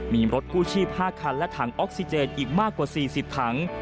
มีรถกู้ชีพ๕คันและถังออกซิเจนอีกมากกว่า๔๐ถัง